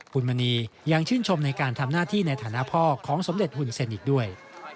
คุณมณียังชื่นชมในการทำหน้าที่ในฐานะพ่อของสมเด็จหุ่นเซ็นอีกด้วย